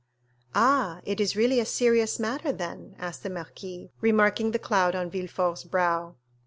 "Ah, it is really a serious matter, then?" asked the marquis, remarking the cloud on Villefort's brow.